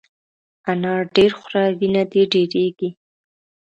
انار ډېر خوره ، وینه دي ډېرېږي !